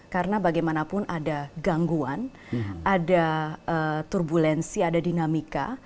karena bagaimanapun ada gangguan ada turbulensi ada dinamika